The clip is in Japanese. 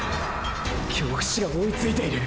京伏が追いついている⁉